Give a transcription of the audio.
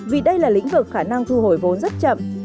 vì đây là lĩnh vực khả năng thu hồi vốn rất chậm